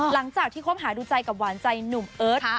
หลังจากที่คบหาดูใจกับหวานใจหนุ่มเอิร์ท